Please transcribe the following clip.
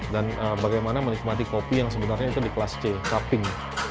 dan bagaimana menikmati kopi yang sebenarnya itu di kelas c cupping